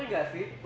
bener gak sih